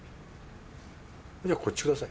じゃこっちください。